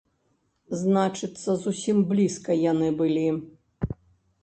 Значыцца, зусім блізка яны былі.